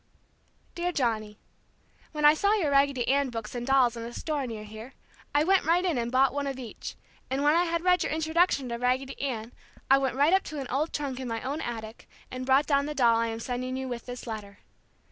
Dear Johnny: When I saw your Raggedy Ann books and dolls in a store near here, I went right in and bought one of each, and when I had read your introduction to "Raggedy Ann" I went right up to an old trunk in my own attic and brought down the doll I am sending you with this letter.